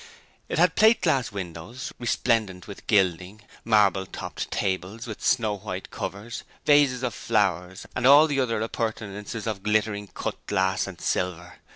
It had plate glass windows, resplendent with gilding, marble topped tables with snow white covers, vases of flowers, and all the other appurtenances of glittering cut glass and silver.